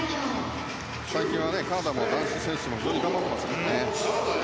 最近はカナダの男子選手も非常に頑張っていますね。